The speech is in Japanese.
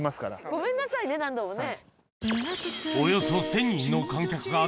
ごめんなさいね何度もね。